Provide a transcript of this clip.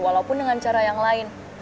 walaupun dengan cara yang lain